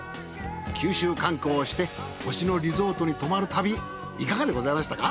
九州観光をして星野リゾートに泊まる旅いかがでございましたか？